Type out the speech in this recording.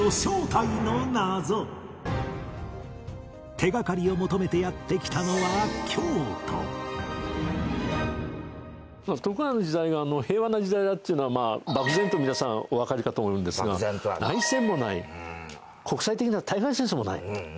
手掛かりを求めてやって来たのは徳川の時代が平和な時代だっていうのは漠然と皆さんおわかりかと思うんですが内戦もない国際的な対外戦争もない。